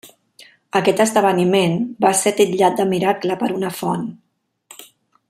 Aquest esdeveniment va ser titllat de miracle per una font.